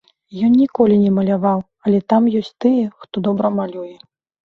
Ён ніколі не маляваў, але там ёсць тыя, хто добра малюе.